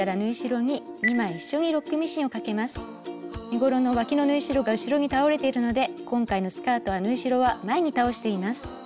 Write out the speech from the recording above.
身ごろのわきの縫い代が後ろに倒れているので今回のスカートは縫い代は前に倒しています。